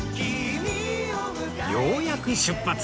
ようやく出発